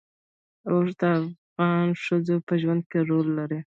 اوښ د افغان ښځو په ژوند کې رول لري.